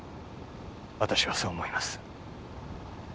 私はそう思います。